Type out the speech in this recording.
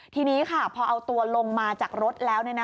ทีนี้ค่ะพอเอาตัวลงมาจากรถแล้ว